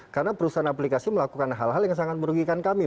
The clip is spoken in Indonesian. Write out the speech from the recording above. karena perusahaan aplikasi melakukan hal hal yang sangat merugikan kami